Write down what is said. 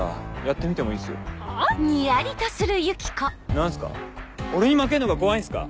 何すか？